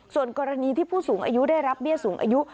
ส่วนกรณีที่ผู้สูงอายุได้รับเบี้ยสูงอายุ